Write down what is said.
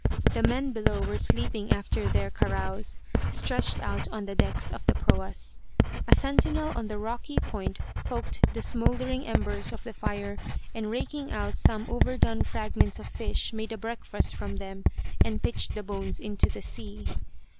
The men below were sleeping after their carouse, stretched out on the decks of the proas. A sentinel on the rocky point poked the smouldering embers of the fire and raking out some overdone fragments of fish made a breakfast from them and pitched the bones into the sea.